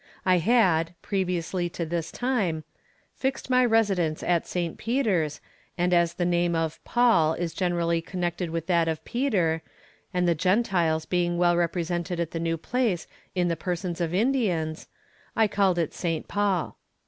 I had, previously to this time, fixed my residence at St. Peters, and as the name of Paul is generally connected with that of Peter, and the Gentiles being well represented at the new place in the persons of Indians, I called it St. Paul.